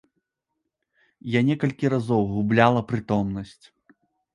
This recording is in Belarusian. Я некалькі разоў губляла прытомнасць.